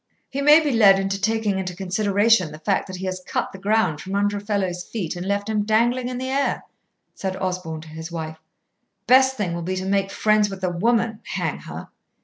"He may be led into taking into consideration the fact that he has cut the ground from under a fellow's feet and left him dangling in the air," said Osborn to his wife. "Best thing will be to make friends with the woman, hang her!"